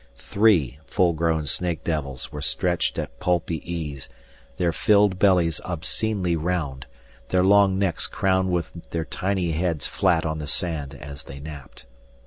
Three full grown snake devils were stretched at pulpy ease, their filled bellies obscenely round, their long necks crowned with their tiny heads flat on the sand as they napped.